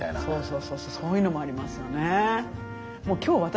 そうそうそうそういうのもありますよね。